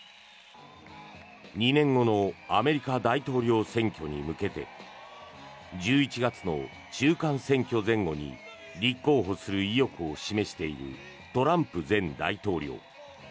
２年後のアメリカ大統領選挙に向けて１１月の中間選挙前後に立候補する意欲を示しているトランプ前大統領。